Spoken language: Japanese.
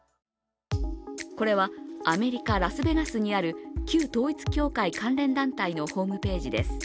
これはアメリカ・ラスベガスにある旧統一教会関連団体のホームページです。